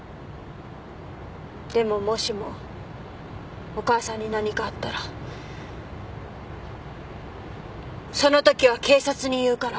でももしもお母さんに何かあったらそのときは警察に言うから